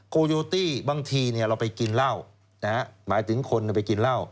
โคโยตี้บางทีเนี่ยเราไปกินเหล้านะฮะหมายถึงคนไปกินเหล้า